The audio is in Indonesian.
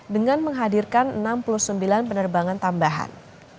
dengan menghadirkan enam puluh sembilan penerbangan tambahan